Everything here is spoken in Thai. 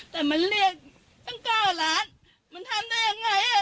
แต่มันเรียกตั้ง๙ล้านมันทำได้ยังไง